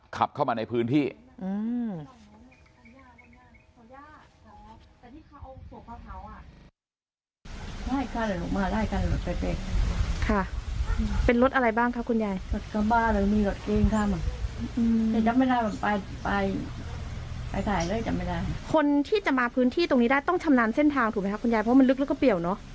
ขับเข้ามาในพื้นที่